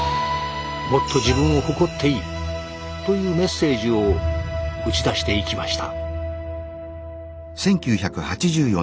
「もっと自分を誇っていい」というメッセージを打ち出していきました。